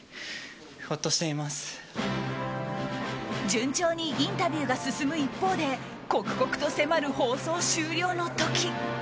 順調にインタビューが進む一方で刻々と迫る放送終了の時。